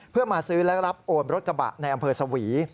เพื่อมาซื้อและรับโอนรถกระบะในอำเภอสวี